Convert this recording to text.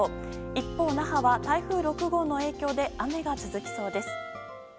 一方、那覇は、台風６号の影響で雨が続きそうです。